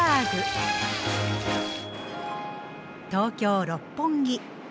東京六本木。